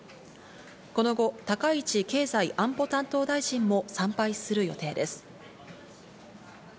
この後、高市経済安保担当大臣も参拝する予定です。